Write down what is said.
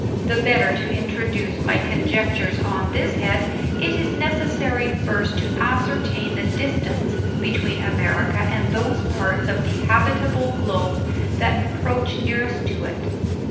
The better to introduce my conjectures on this head, it is neces sary first to ascertain the distance between America and those parts of the habitable globe that approach nearest to it.